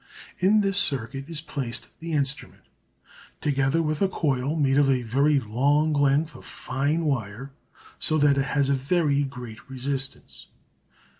In this circuit is placed the instrument, together with a coil made of a very long length of fine wire so that it has a very great resistance.